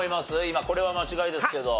今これは間違いですけど。